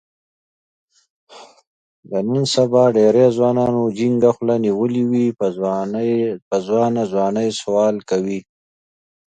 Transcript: د نن سبا ډېری ځوانانو جینګه خوله نیولې وي، په ځوانه ځوانۍ سوال کوي.